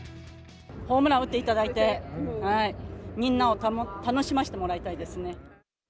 ホームラン打っていただいて、みんなを楽しましてもらいたいですね。